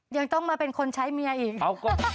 ยังต้องมาเป็นคนใช้เมียอีก